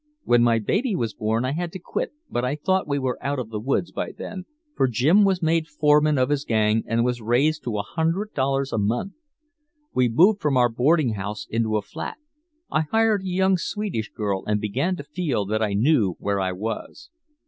When my baby was born I had to quit but I thought we were out of the woods by then, for Jim was made foreman of his gang and was raised to a hundred dollars a month. We moved from our boarding house into a flat. I hired a young Swedish girl and began to feel that I knew where I was.